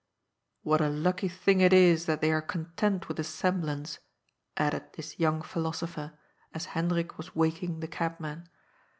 ^' What a lucky thing it is that they are content with a semblance," added this young philosopher, as Hendrik was waking the cabman.